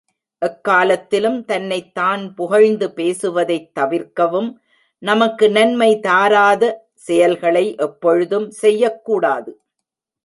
எக்காலத்திலும் தன்னைத் தான் புகழ்ந்து பேசுவதைத் தவிர்க்கவும் நமக்கு நன்மை தாராத செயல்களை எப்பொழுதும் செய்யக்கூடாது.